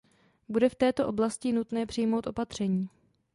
Bude v této oblasti nutné přijmout opatření.